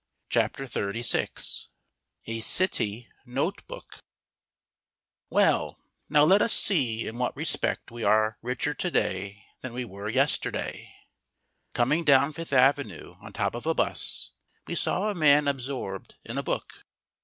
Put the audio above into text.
A CITY NOTE BOOK Well, now let us see in what respect we are richer to day than we were yesterday. Coming down Fifth Avenue on top of a bus, we saw a man absorbed in a book.